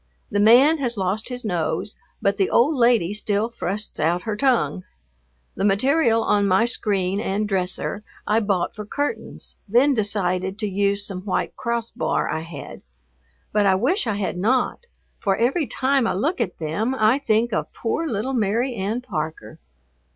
The man has lost his nose, but the old lady still thrusts out her tongue. The material on my screen and "dresser" I bought for curtains, then decided to use some white crossbar I had. But I wish I had not, for every time I look at them I think of poor little Mary Ann Parker.